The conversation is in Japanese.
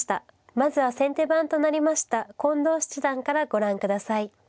まずは先手番となりました近藤七段からご覧下さい。